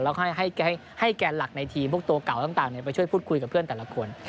แล้วก็ให้แกนหลักในทีมพวกตัวเก่าต่างไปช่วยพูดคุยกับเพื่อนแต่ละคน